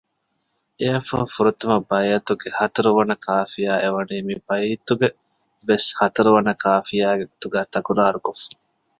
އެއަށްފަހު ފުރަތަމަ ބައިތުގެ ހަތަރުވަނަ ކާފިޔާ އެ ވަނީ މި ބައިތުގެ ވެސް ހަތަރުވަނަ ކާފިޔާގެ ގޮތުގައި ތަކުރާރުކޮށްފަ